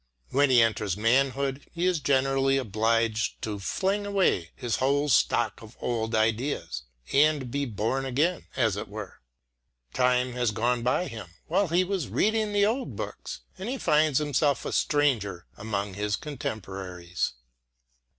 When he enters manhood, he is generally obliged to fling away his whole stock of old ideas, and be born again, as it were. Time has gone by him, while he was reading the old books, and he finds himself a stranger among his contemporaries.